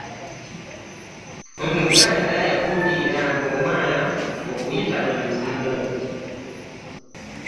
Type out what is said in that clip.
omuganda yabulirira nga omwana okuyita mu nfumo